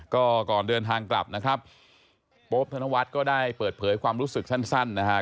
ก็ก่อนเดินทางกลับนะครับโป๊บธนวัฒน์ก็ได้เปิดเผยความรู้สึกสั้นนะฮะ